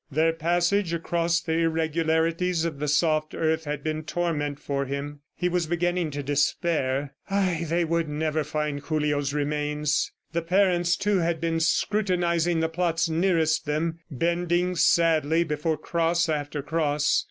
Their passage across the irregularities of the soft earth had been torment for him. He was beginning to despair. ... Ay, they would never find Julio's remains! The parents, too, had been scrutinizing the plots nearest them, bending sadly before cross after cross.